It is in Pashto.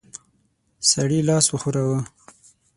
سړي لاس وښوراوه.